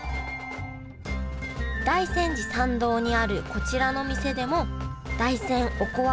大山寺参道にあるこちらの店でも大山おこわ